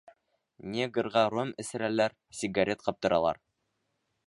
Негрға ром эсерәләр, сигарет ҡаптыралар.